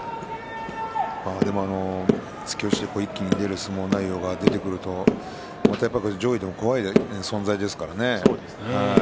でも突き押しで一気に出る相撲内容が出てくるとまた上位でも怖い存在ですからね。